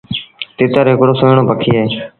تتر هڪڙو سُهيٚڻون پکي اهي۔